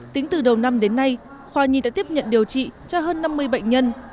tính từ đầu năm đến nay khoa nhi đã tiếp nhận điều trị cho hơn năm mươi bệnh nhân